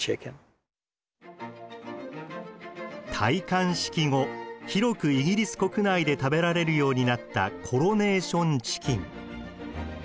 戴冠式後広くイギリス国内で食べられるようになったコロネーションチキン。